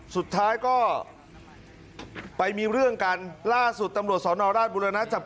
สุดท้ายก็ไปมีเรื่องกันล่าสุดตำรวจสนราชบุรณะจับ